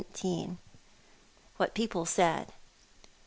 WHAT PEOPLE SAID.